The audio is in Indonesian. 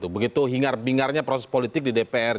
begitu hingar bingarnya proses politik di dpr